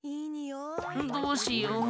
どうしよう。